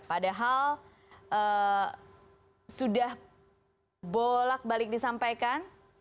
padahal sudah bolak balik disampaikan